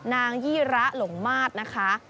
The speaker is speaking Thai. นางยี่ระหลงมาทนะคะ